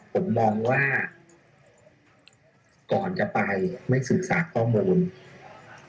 ผมมองว่าก่อนจะไปไม่ศึกษาข้อมูล